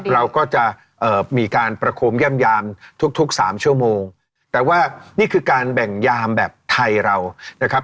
เราก็จะมีการประโคมย่ำยามทุกสามชั่วโมงแต่ว่านี่คือการแบ่งยามแบบไทยเรานะครับ